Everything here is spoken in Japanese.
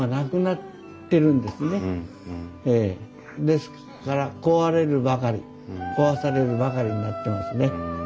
ですから壊れるばかり壊されるばかりになってますね。